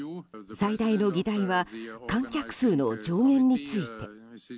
最大の議題は観客数の上限について。